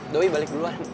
dowie balik duluan